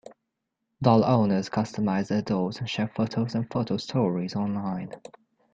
Doll owners customize their dolls and share photos and photo stories online.